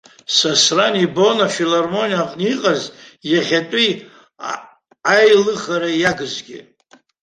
Сасран ибон афилармониа аҟны иҟаз иахьатәи аилыхара иагызгьы.